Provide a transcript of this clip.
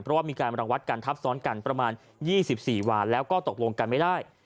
เพราะว่ามีการรังวัดกันทับซ้อนกันประมาณ๒๔วันแล้วก็ตกลงกันไม่ได้